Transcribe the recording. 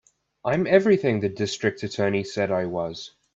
I'm everything the District Attorney said I was.